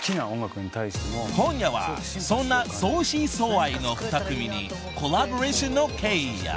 ［今夜はそんな相思相愛の２組にコラボレーションの経緯や］